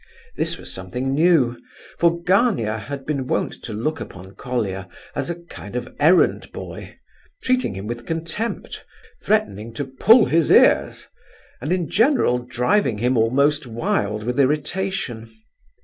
This was something new, for Gania had been wont to look upon Colia as a kind of errand boy, treating him with contempt, threatening to "pull his ears," and in general driving him almost wild with irritation.